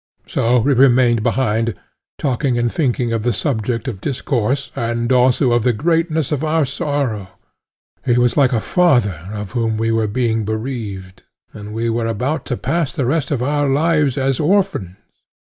So we remained behind, talking and thinking of the subject of discourse, and also of the greatness of our sorrow; he was like a father of whom we were being bereaved, and we were about to pass the rest of our lives as orphans.